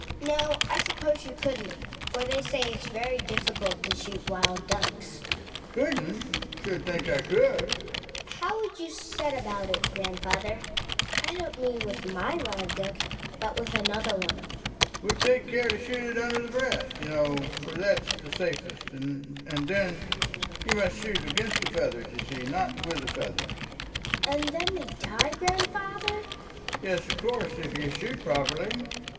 Hedvig. No, I suppose you couldn't; for they say it's very difficult to shoot wild ducks. Ekdal. Couldn't ? Should think I could. Hedvig. How would you set about it, grandfather — I don't mean with my wild duck, but with another one ? Ekdal. Would take care to shoot it under the breast, you know, for that's the safest. And then you must shoot against the feathers, you see, not with the [feathers. Hedvig. And then they die, grandfather? Ekdal. Yes, of course, if you shoot properly